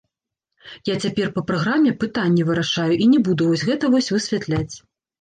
Я цяпер па праграме пытанні вырашаю і не буду вось гэта вось высвятляць.